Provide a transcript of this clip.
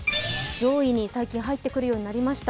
上位に最近入ってくるようになってきました。